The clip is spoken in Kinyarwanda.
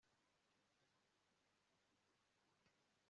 nta kindi azakora uretse gushaka undi mugabo